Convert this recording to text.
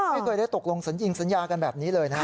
ไม่เคยได้ตกลงสัญญานะครับ